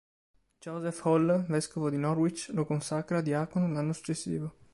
Joseph Hall, vescovo di Norwich, lo consacra diacono l'anno successivo.